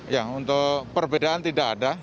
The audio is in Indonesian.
ya untuk perbedaan tidak ada